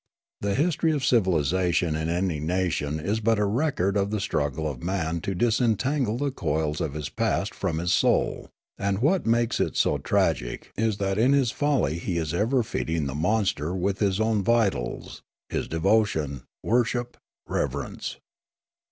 The history of civilisation in any nation is but a record of the struggle of man to disentangle the coils of his past from his soul ; and what makes it so tragic is that in his folly he is ever feeding the monster with his own vitals, his devotion, worship, reverence.